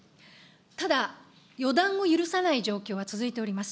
ただ、予断を許さない状況は続いております。